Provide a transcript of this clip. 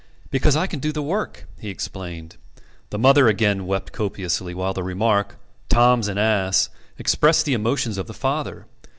"Because I can do the work," he explained. The mother again wept copiously, while the remark, "Tom's an ass," expressed the emotions of the father.